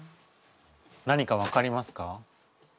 何か分かりますか？